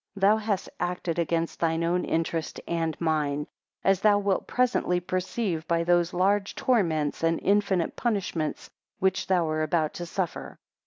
11 Thou hast acted against thine own interest and mine, as thou wilt presently perceive by those large torments and infinite punishments which thou art about to suffer.